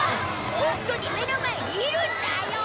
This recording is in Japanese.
ホントに目の前にいるんだよ！